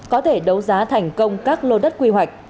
có thể đấu giá thành công các lô đất quy hoạch